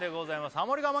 ハモリ我慢